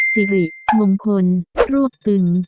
สิริมงคลรวบตึง